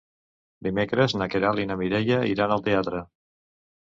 Dimecres na Queralt i na Mireia iran al teatre.